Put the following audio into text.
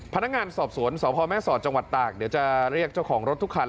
พนักงานสอบสวนสพแม่สอดจังหวัดตากเดี๋ยวจะเรียกเจ้าของรถทุกคัน